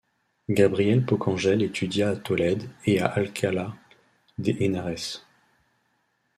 Gabriel Bocángel étudia à Tolede et à Alcalá de Henares.